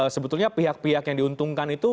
sebetulnya pihak pihak yang diuntungkan itu